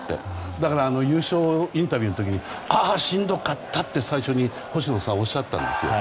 だから、優勝インタビューの時にああ、しんどかったって最初に星野さんはおっしゃったんです。